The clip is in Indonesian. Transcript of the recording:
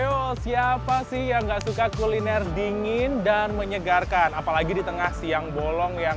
ayo siapa sih yang gak suka kuliner dingin dan menyegarkan apalagi di tengah siang bolong yang